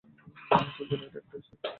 তোর জন্য একটা চিঠি এসেছে।